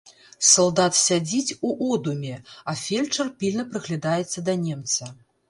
Салдат сядзіць у одуме, а фельчар пільна прыглядаецца да немца.